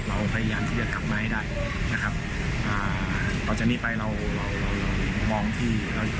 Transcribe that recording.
ผมเชื่อว่าน้องหลายคนในนี้ในนักบทก็จะเป็นคนรัก